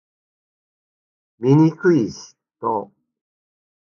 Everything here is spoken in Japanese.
醜い嫉妬